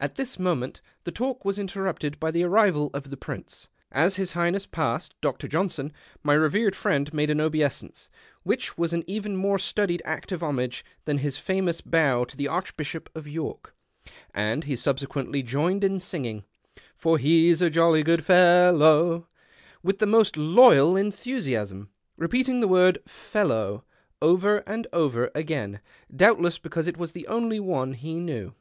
At this moment the talk was interrupted by the arrival of the Prince. As His Highness passed Dr. Johnson, my revered friend made an obeisance which was an even more studied act of homage than his famous bow to the Arehbislio]) of York ; and he subsequently joined in singing " For he's a jolly good fellow " with the most loyal enthusiasm, relocating the word " fe ellow " over and over again, doubtless because it was the only one he knew.